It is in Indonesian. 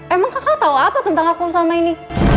emang kaka tau apa tentang aku sama ini